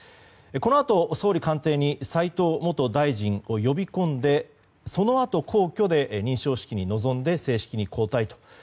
このあと、総理官邸に齋藤元大臣を呼び込んでそのあと、皇居で認証式に臨んで正式に交代と。